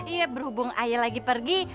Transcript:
iya berhubung ayah lagi pergi